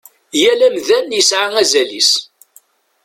Yal amdan yesɛa azal-is.